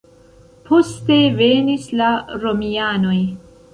Poste venis la romianoj.